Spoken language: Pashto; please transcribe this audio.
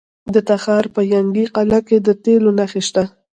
د تخار په ینګي قلعه کې د تیلو نښې شته.